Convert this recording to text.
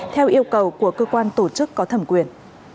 theo yêu cầu của cơ quan tổ chức có thẩm quyền